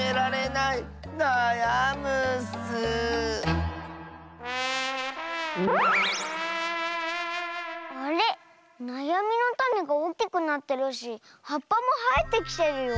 なやみのタネがおおきくなってるしはっぱもはえてきてるよ。